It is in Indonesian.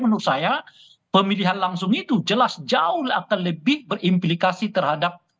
menurut saya pemilihan langsung itu jelas jauh akan lebih berimplikasi terhadap